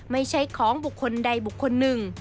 ไม่ใช่ของบุคคลใดบุคคลหนึ่ง